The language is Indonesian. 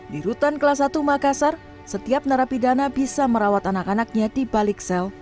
di rutan kelas satu makassar setiap narapidana bisa merawat anak anaknya di balik sel